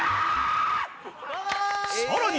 さらに